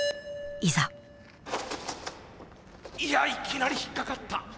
いやいきなり引っかかった。